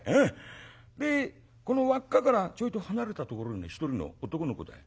でこの輪っかからちょいと離れたところに一人の男の子だい